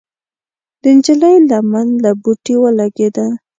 د نجلۍ لمن له بوټي ولګېده.